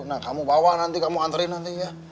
nah kamu bawa nanti kamu anterin nanti ya